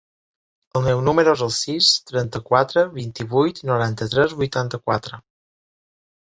El meu número es el sis, trenta-quatre, vint-i-vuit, noranta-tres, vuitanta-quatre.